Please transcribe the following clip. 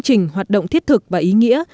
chương trình hoạt động thiết thực và ý nghĩa